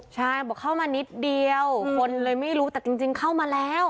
ใช่บอกเข้ามานิดเดียวคนเลยไม่รู้แต่จริงเข้ามาแล้ว